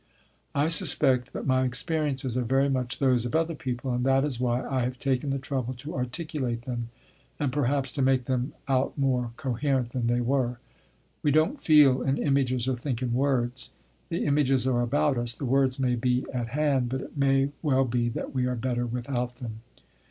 I suspect that my experiences are very much those of other people, and that is why I have taken the trouble to articulate them, and perhaps to make them out more coherent than they were. We don't feel in images or think in words. The images are about us, the words may be at hand; but it may well be that we are better without them.